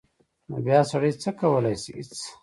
نو بیا سړی څه کولی شي هېڅ.